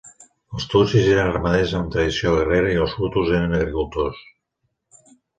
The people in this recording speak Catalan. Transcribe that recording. Els tutsis eren ramaders amb tradició guerrera i els hutus eren agricultors.